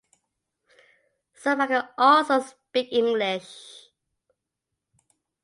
Some can also speak English.